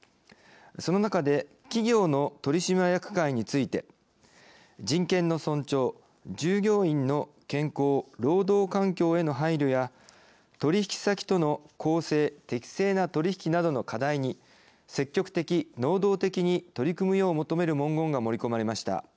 その中で企業の取締役会について人権の尊重従業員の健康・労働環境への配慮や取引先との公正・適正な取引などの課題に積極的・能動的に取り組むよう求める文言が盛り込まれました。